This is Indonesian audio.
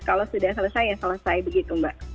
kalau sudah selesai ya selesai begitu mbak